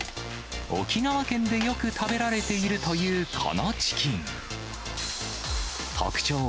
沖縄県でよく食べられているというこのチキン。